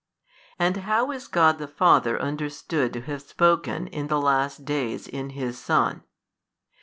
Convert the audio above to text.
And how is God the Father understood to have spoken in the last days in His Son?